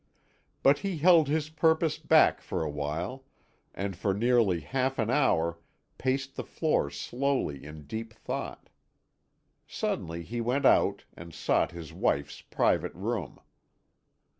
But he held his purpose back for a while, and for nearly half an hour paced the floor slowly in deep thought. Suddenly he went out, and sought his wife's private room.